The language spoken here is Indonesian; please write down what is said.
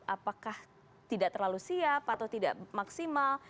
apakah tidak terlalu siap atau tidak maksimal